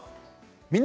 「みんな！